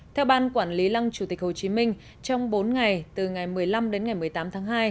theo ban quản lý lăng chủ tịch hồ chí minh trong bốn ngày từ ngày một mươi năm đến ngày một mươi tám tháng hai